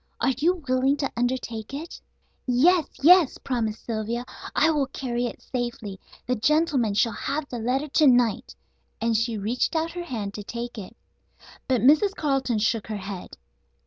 Are you willing to undertake it?" "Yes! Yes!" promised Sylvia. "I will carry it safely. The gentleman shall have the letter to night," and she reached out her hand to take it. But Mrs. Carleton shook her head.